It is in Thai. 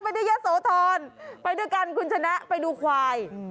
ที่ยะโสธรไปด้วยกันคุณชนะไปดูควาย